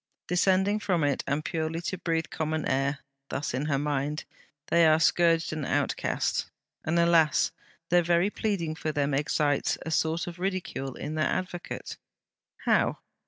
Descending from it, and purely to breathe common air (thus in her mind), they are scourged and outcast. And alas! the very pleading for them excites a sort of ridicule in their advocate. How?